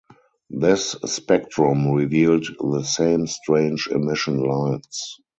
This spectrum revealed the same strange emission lines.